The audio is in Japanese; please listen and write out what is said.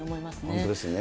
本当ですね。